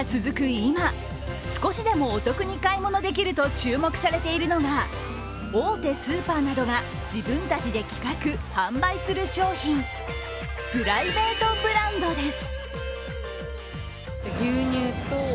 今少しでもお得に買い物できると注目されているのが大手スーパーなどが自分たちで企画・販売する商品プライベートブランドです。